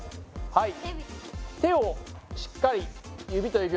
はい。